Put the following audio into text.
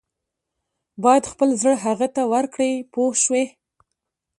باید خپل زړه هغه ته ورکړې پوه شوې!.